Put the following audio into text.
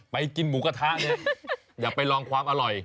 กินหมูกระทะเนี่ยอย่าไปลองความอร่อย